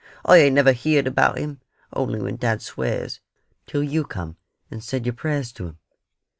I ain't never heerd about Him, only when dad swears, till you come and said your prayers to Him."